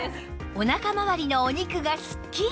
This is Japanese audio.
お腹まわりのお肉がすっきり